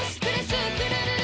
スクるるる！」